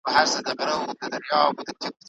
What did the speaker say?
شاه سلیمان به په عام محضر کې د خلکو پزې پرې کولې.